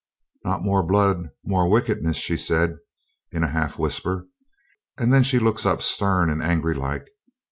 'Not more blood, more wickedness,' she said, in a half whisper, and then she looks up stern and angry like.